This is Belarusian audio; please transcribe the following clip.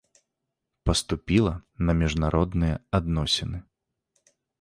Паступіла на міжнародныя адносіны.